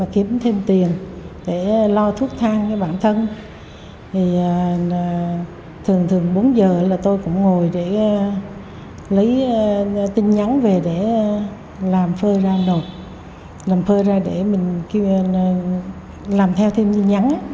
kiếm thêm tiền để lo thuốc thang với bản thân thường bốn giờ là tôi cũng ngồi để lấy tin nhắn về để làm phơi ra nộp làm phơi ra để mình làm theo thêm tin nhắn